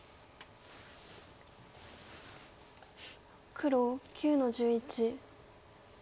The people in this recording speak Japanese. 黒９の十一。